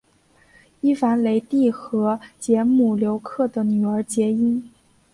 伊凡雷帝和捷姆留克的女儿结姻。